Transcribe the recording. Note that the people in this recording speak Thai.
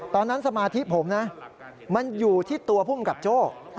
ตอนนั้นสมาธิผมมันอยู่ที่ตัวภูมิกับโจ้